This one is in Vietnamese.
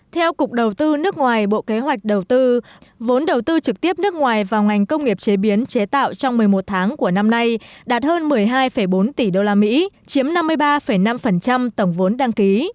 theo cục đầu tư nước ngoài bộ kế hoạch đầu tư vốn đầu tư trực tiếp nước ngoài vào ngành công nghiệp chế biến chế tạo trong một mươi một tháng của năm nay đạt hơn một mươi hai bốn tỷ usd chiếm năm mươi ba năm tổng vốn đăng ký